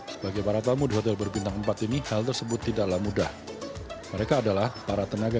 sebagai para tamu di hotel berbintang empat ini hal tersebut tidaklah mudah mereka adalah para tenaga